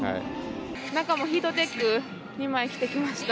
中もヒートテック２枚着てきました。